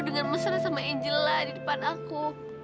dengan mesra sama angela di depan aku